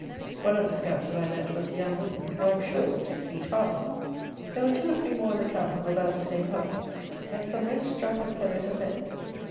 One of the scouts that I met was a young woman, who, I am sure, was six feet high. There were two or three more in the camp of about the same height; and some most strapping fellows of men.